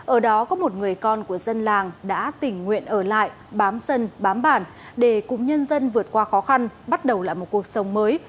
ở đó có một người con của dân làng đã tình nguyện ở lại bám dân bám bản để cùng nhân dân vượt qua khó khăn bắt đầu lại một cuộc sống mới